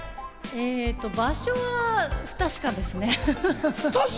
場所は不確かですね、フフフ。